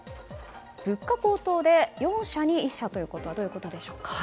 物価高騰で４社に１社とはどういうことでしょうか。